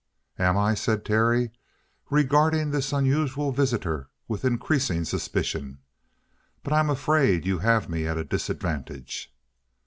"Am I?" said Terry, regarding this unusual visitor with increasing suspicion. "But I'm afraid you have me at a disadvantage."